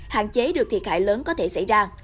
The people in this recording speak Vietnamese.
hạn chế được thiệt hại lớn có thể xảy ra